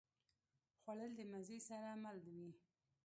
خوړل د مزې سره مل وي